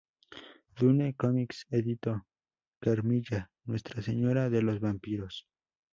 Dude Comics editó "Carmilla, nuestra señora de los vampiros".